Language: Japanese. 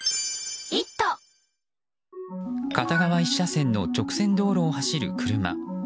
片側１車線の直線道路を走る車。